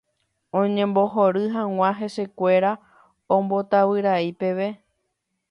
Oñembohory hag̃ua hesekuéra ombotavyrai peve.